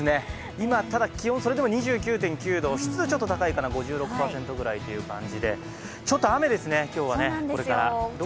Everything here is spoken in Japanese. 今、ただ気温それでも２９．９度湿度ちょっと高いかな５６％くらいという感じで今日はこれから雨ですね。